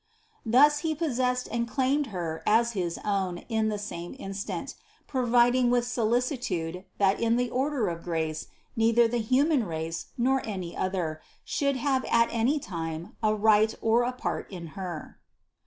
Thus He possessed and claimed Her as his own in the same instant, provid ing with solicitude, that in the order of grace neither the human race nor any other, should have at any time a right or a part in Her.